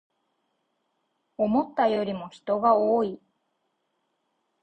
思ったよりも人が多い